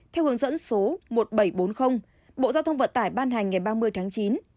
theo hướng dẫn số một nghìn bảy trăm bốn mươi bộ giao thông vận tải ban hành ngày ba mươi tháng chín